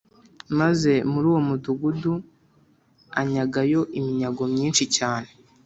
maze muri uwo mudugudu anyagayo iminyago myinshi cyane.